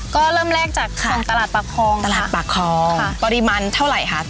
ก็เริ่มแรกจากขันตลาดปลาคลองค่ะปริมาณเท่าไรคะ